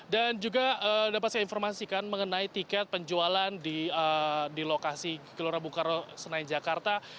dan juga dapat saya informasikan mengenai tiket penjualan di lokasi gelora bukaro senayan jakarta